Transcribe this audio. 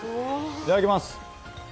いただきます！